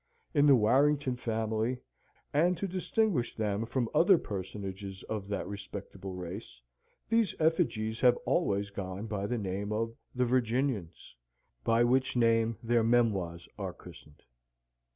In the Warrington family, and to distinguish them from other personages of that respectable race, these effigies have always gone by the name of "The Virginians"; by which name their memoirs are christened.